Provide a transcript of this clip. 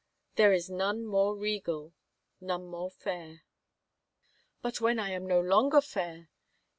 " There is none more regal ... none more fair." " But when I am no longer fair